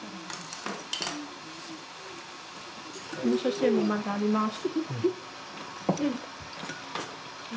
おみそ汁まだあります。